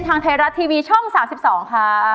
ทางไทยรัฐทีวีช่อง๓๒ค่ะ